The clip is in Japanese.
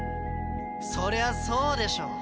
そりゃそうでしょ。